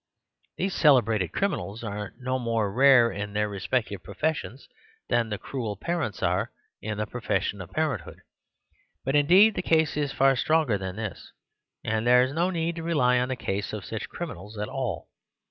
These celebrated criminals are no more rare in their respective professions than the cruel parents are in the profession of par enthood. But indeed the case is far stronger than this ; and there is no need to rely on the case of such criminals at all.